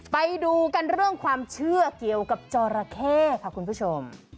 ไปดูกันเรื่องความเชื่อเกี่ยวกับจอราเข้ค่ะคุณผู้ชม